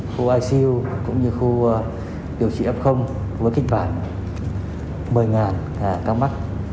khu icu cũng như khu điều trị f với kịch bản một mươi ca mắc